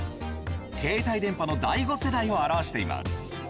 携帯電波の第５世代を表しています。